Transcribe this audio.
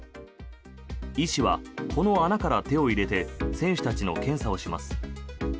医師はこの穴から手を入れて選手たちの検査をします。